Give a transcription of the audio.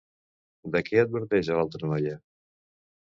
De què adverteix a l'altra noia?